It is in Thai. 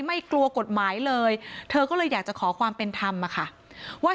กลัวกฎหมายเลยเธอก็เลยอยากจะขอความเป็นธรรมอะค่ะว่า